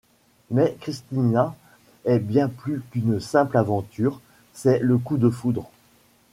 Mais Christina est bien plus qu'une simple aventure, c'est le coup de foudre.